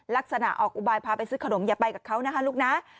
ลักษณะออกอุบายพาไปซื้อขนมอย่าไปกับเขานะคะลูกนะ